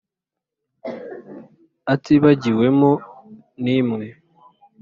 atibagiwemo n'imwe